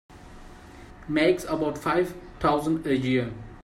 Makes about five thousand a year.